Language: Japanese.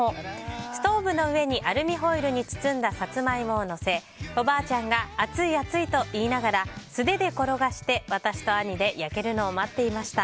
ストーブの上にアルミホイルに包んだサツマイモをのせおばあちゃんが熱い熱いと言いながら素手で転がして、私と兄で焼けるのを待っていました。